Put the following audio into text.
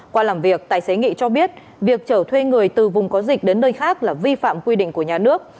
qua làm việc tài xế nghị cho biết việc trở thuê người từ vùng có dịch đến nơi khác là vi phạm quy định của nhà nước